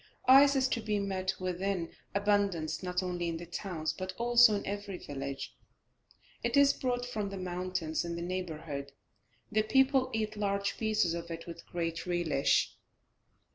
Ice is to be met with in abundance not only in the towns, but also in every village. It is brought from the mountains in the neighbourhood, the people eat large pieces of it with great relish.